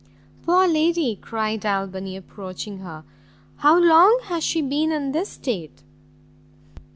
"Poor lady!" cried Albany, approaching her, "how long has she been in this state?"